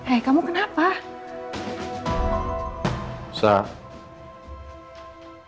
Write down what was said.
ini alasan kenapa papa minta nino suruh pulang